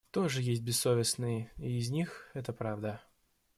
Тоже есть бессовестные и из них, это правда.